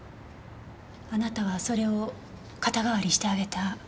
あなたはそれを肩代わりしてあげた？